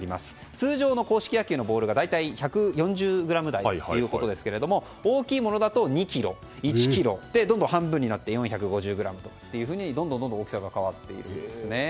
通常の硬式野球のボールが大体１４０ｇ台ということですが大きいものだと２ｋｇ、１ｋｇ。どんどん半分になって４５０ｇとどんどん大きさが変わってるんですね。